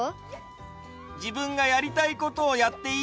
じぶんがやりたいことをやっていいんだ。